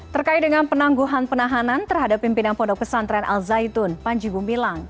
terkait dengan penangguhan penahanan terhadap pimpinan pondok pesantren al zaitun panji gumilang